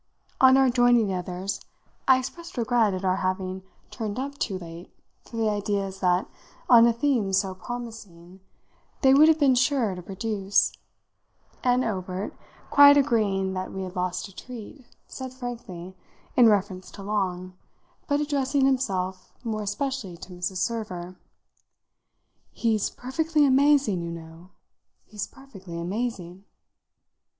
On our joining the others I expressed regret at our having turned up too late for the ideas that, on a theme so promising, they would have been sure to produce, and Obert, quite agreeing that we had lost a treat, said frankly, in reference to Long, but addressing himself more especially to Mrs. Server: "He's perfectly amazing, you know he's perfectly amazing!"